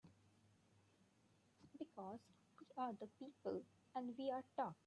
Because we're the people and we're tough!